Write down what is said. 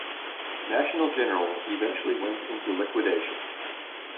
National General eventually went into liquidation.